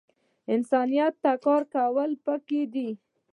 انسانیت ته کار کړل پکار دے